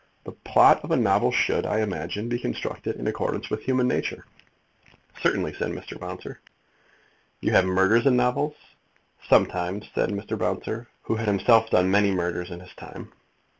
The plot of a novel should, I imagine, be constructed in accordance with human nature?" "Certainly," said Mr. Bouncer. "You have murders in novels?" "Sometimes," said Mr. Bouncer, who had himself done many murders in his time.